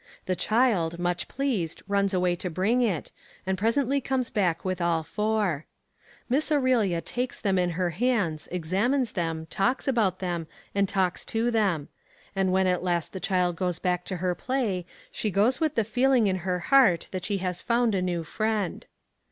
The child, much pleased, runs away to bring it, and presently comes back with all four. Miss Aurelia takes them in her hands, examines them, talks about them, and talks to them; and when at last the child goes back to her play, she goes with the feeling in her heart that she has found a new friend.